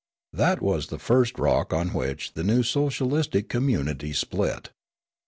That was the first rock on which the new socialistic community split.